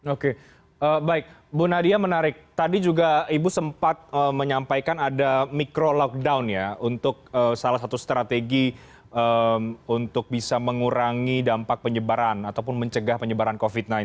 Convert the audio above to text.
oke baik bu nadia menarik tadi juga ibu sempat menyampaikan ada micro lockdown ya untuk salah satu strategi untuk bisa mengurangi dampak penyebaran ataupun mencegah penyebaran covid sembilan belas